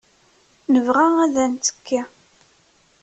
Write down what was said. Nebɣa ad nettekki.